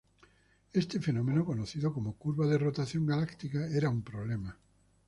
Este fenómeno conocido como curva de rotación galáctica era un problema.